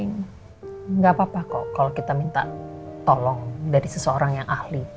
tidak apa apa kok kalau kita minta tolong dari seseorang yang ahli